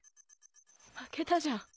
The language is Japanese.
負けたじゃん。